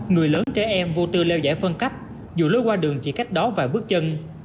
người lớn trẻ em vô tư leo giải phân cách dù lối qua đường chỉ cách đó vài bước chân